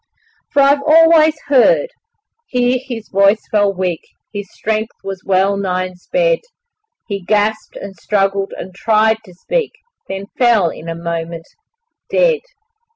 'For I've always heard ' here his voice fell weak, His strength was well nigh sped, He gasped and struggled and tried to speak, Then fell in a moment dead.